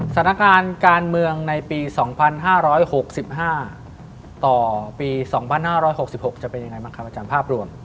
สถานการณ์การเมืองในปี๒๕๖๕ต่อปี๒๕๖๖จะเป็นยังไงบ้างครับอาจารย์ภาพรวม